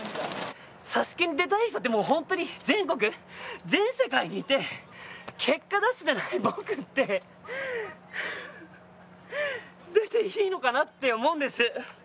ＳＡＳＵＫＥに出たいっていうのも、全世界に行って、結果出せてない僕って出ていいのかなって思うんです。